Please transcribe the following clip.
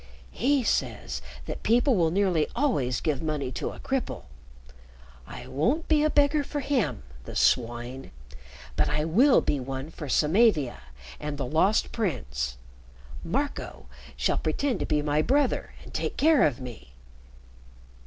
He says that people will nearly always give money to a cripple. I won't be a beggar for him the swine but I will be one for Samavia and the Lost Prince. Marco shall pretend to be my brother and take care of me.